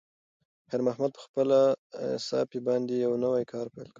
خیر محمد په خپلې صافې باندې یو نوی کار پیل کړ.